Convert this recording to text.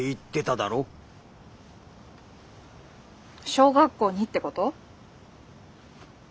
小学校にってこと？